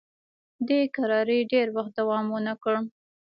دې کراري ډېر وخت دوام ونه کړ.